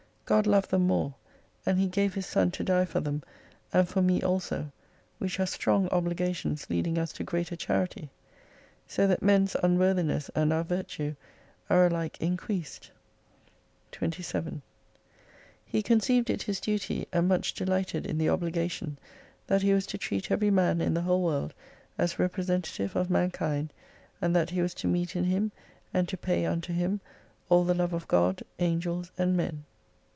God loved them more, and He gave His Son to die for them, and for me also, which are strong obligations leading us to greater charity. So that men's unworthiness and our virtue are alike increased. 27 He conceived it his duty and much delighted in the obligation, that he was to treat every man in the whole world as representative of mankind, and that he was to meet in him, and to pay unto him all the love of God, Angels and Men.